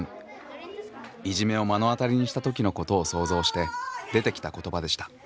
いじめを目の当たりにした時のことを想像して出てきた言葉でした。